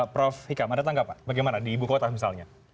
prof hika mana tanggapan bagaimana di ibu kota misalnya